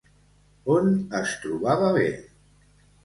On es trobava bé?